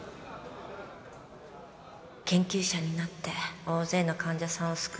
研究者になって大勢の患者さんを救う